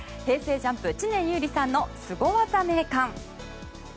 ＪＵＭＰ知念侑李さんのスゴ技名鑑。